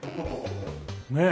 ねえ。